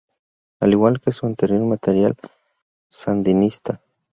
Al igual que su anterior material, "Sandinista!